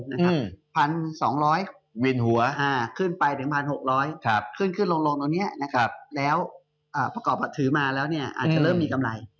ก็จะเริ่มมีกำไร